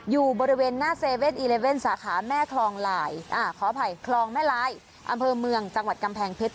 อยู่บริเวณหน้า๗๑๑สาขาแม่คลองลายขออภัยคลองแม่ลายอำเภอเมืองจังหวัดกำแพงเพชร